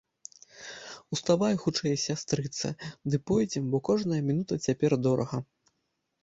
Уставай хутчэй, сястрыца, ды пойдзем, бо кожная мінута цяпер дорага!